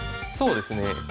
そうですね。